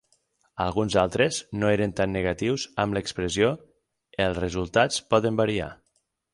Alguns altres no eren tan negatius amb l'expressió "els resultats poden variar".